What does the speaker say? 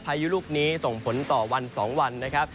พายุลูกนี้ส่งผลต่อวัน๒วันนะครับ